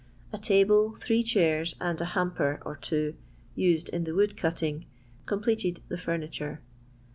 A table, three chairs, and a ham per or two used in the wood cutting, completed the furniture.